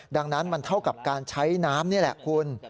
ดังนั้นมันเท่ากับการใช้น้ำนี่แหละคุณ